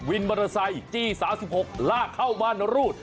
วินบริษัยจี้สาว๑๖ล่าเข้าบ้านรูด